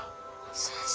先生。